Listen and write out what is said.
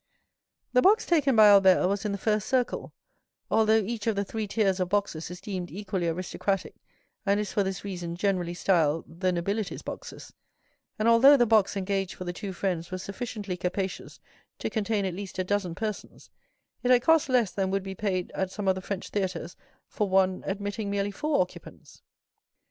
The box taken by Albert was in the first circle; although each of the three tiers of boxes is deemed equally aristocratic, and is, for this reason, generally styled the "nobility's boxes," and although the box engaged for the two friends was sufficiently capacious to contain at least a dozen persons, it had cost less than would be paid at some of the French theatres for one admitting merely four occupants.